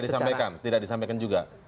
disampaikan tidak disampaikan juga